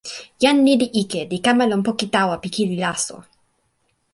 jan lili ike li kama lon poki tawa pi kili laso.